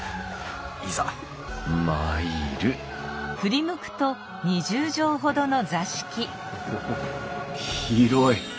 いざ参るおお広い！